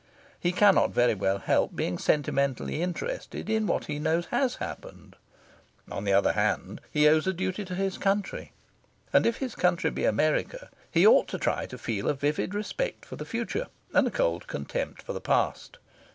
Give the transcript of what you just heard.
He cannot very well help being sentimentally interested in what he knows has happened. On the other hand, he owes a duty to his country. And, if his country be America, he ought to try to feel a vivid respect for the future, and a cold contempt for the past.